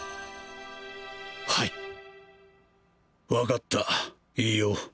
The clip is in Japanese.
はい分かったいいよ